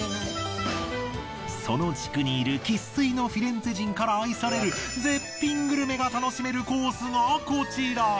その地区にいる生粋のフィレンツェ人から愛される絶品グルメが楽しめるコースがこちら。